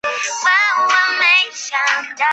滇木姜子为樟科木姜子属下的一个种。